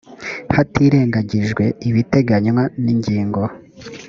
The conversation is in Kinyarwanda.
hatirengagijwe ibiteganywa n’ingingo